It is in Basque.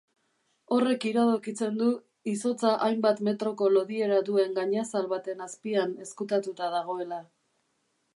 Horrek iradokitzen du izotza hainbat metroko lodiera duen gainazal baten azpian ezkutatuta dagoela.